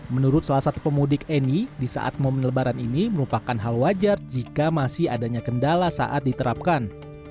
menurut salah satu pemudik eni di saat momen lebaran ini merupakan hal wajar jika masih adanya kendala saat diterapkan